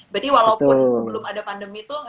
berarti walaupun sebelum ada pandemi itu